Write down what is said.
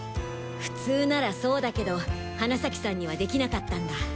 普通ならそうだけど花崎さんには出来なかったんだ。